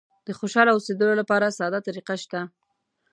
د خوشاله اوسېدلو لپاره ساده طریقه شته.